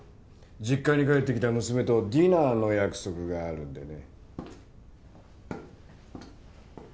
実家に帰ってきた娘とディナーの約束があるんでね。